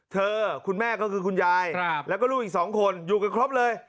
คุณแม่ก็คือคุณยายแล้วก็ลูกอีก๒คนอยู่กันครบเลย